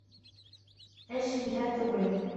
Эш һиндә түгел.